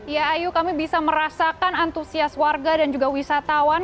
ya ayu kami bisa merasakan antusias warga dan juga wisatawan